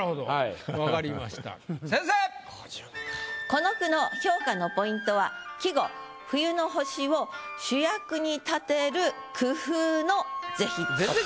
この句の評価のポイントは季語「冬の星」を主役に立てる工夫の是非です。